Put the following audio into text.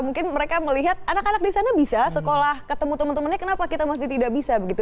mungkin mereka melihat anak anak di sana bisa sekolah ketemu teman temannya kenapa kita masih tidak bisa begitu